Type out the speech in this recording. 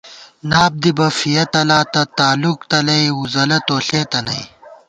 ناپ دِبہ ، فِیَہ تلاتہ، تالُوک تلَئ ، وُزَلہ تو ݪېتہ نئ